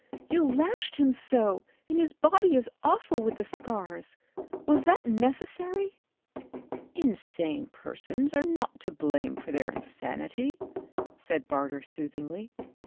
You lashed him so, and his body is awful with the scars. Was that necessary?" "Insane persons are not to blame for their insanity," said Barter soothingly.